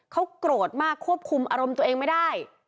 เขาโกรธมากควบคุมอารมณ์ตัวเองไม่ได้